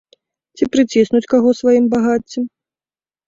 Ці прыціснуць каго сваім багаццем?